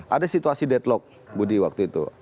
ada situasi deadlock budi waktu itu